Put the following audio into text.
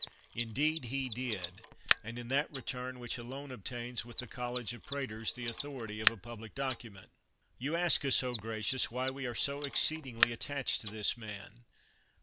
Indeed he did, and in that return which alone obtains with the college of pretors the authority of a public document. You ask us, O Gratius, why we are so exceed ingly attached to this man.